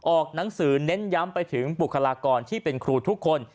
ออกหนังสือเน้นย้ำไปถึงบุคลากรที่เป็นครูทุกคน